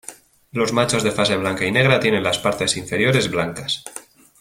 Los machos de fase blanca y negra, tienen las partes inferiores blancas.